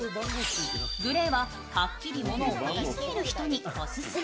グレーははっきり物を言い過ぎる人にオススメ。